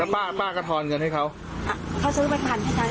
แล้วป้าป้าก็ทอนเงินให้เขาอ่าเขาซื้อแมซพันด้วยใช่ไหม